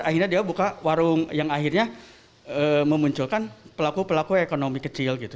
akhirnya dia buka warung yang akhirnya memunculkan pelaku pelaku ekonomi kecil gitu